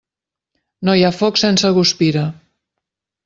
No hi ha foc sense guspira.